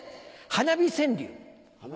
花火川柳。